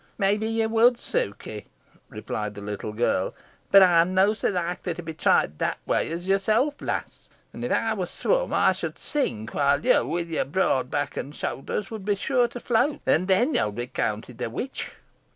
"May be ye would, Sukey," replied the little girl, "boh eym nah so likely to be tried that way as yourself, lass; an if ey war swum ey should sink, while yo, wi' your broad back and shouthers, would be sure to float, an then yo'd be counted a witch."